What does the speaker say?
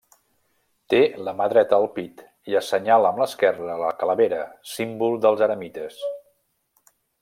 Té la mà dreta al pit i assenyala amb l'esquerra la calavera, símbol dels eremites.